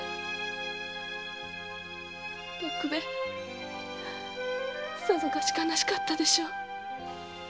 六兵衛さぞかし悲しかったでしょう。